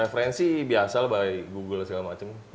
referensi biasa oleh google segala macem